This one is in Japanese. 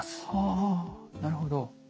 あなるほど。